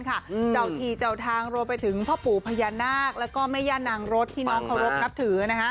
เจ้าที่เจ้าทางรวมไปถึงพ่อปู่พญานาคแล้วก็แม่ย่านางรถที่น้องเคารพนับถือ